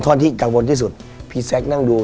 น้องไมโครโฟนจากทีมมังกรจิ๋วเจ้าพญา